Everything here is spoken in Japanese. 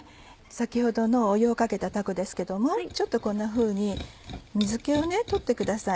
先ほどの湯をかけたたこですけどもこんなふうに水気を取ってください。